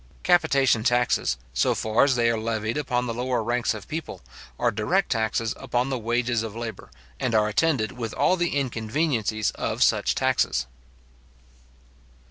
Capitation taxes, so far as they are levied upon the lower ranks of people, are direct taxes upon the wages of labour, and are attended with all the inconveniencies of such taxes.